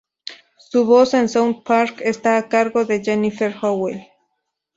Su voz en South Park está a cargo de Jennifer Howell.